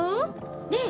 ねえ